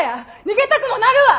逃げたくもなるわ！